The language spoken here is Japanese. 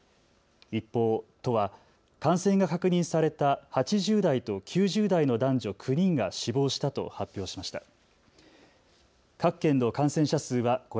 一方、都は感染が確認された８０代と９０代の男女９人が死亡したと発表しました。